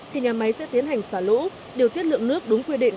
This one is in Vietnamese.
thì nhà máy sẽ tiến hành xả lũ điều tiết lượng nước đúng quy định